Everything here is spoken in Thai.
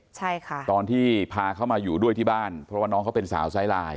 ใช่ค่ะตอนที่พาเขามาอยู่ด้วยที่บ้านเพราะว่าน้องเขาเป็นสาวไซลาย